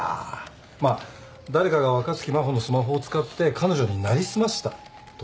まあ誰かが若槻真帆のスマホを使って彼女に成り済ましたとか？